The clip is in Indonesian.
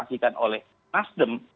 dan dikirimkan oleh nasdem